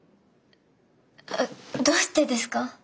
どうしてですか？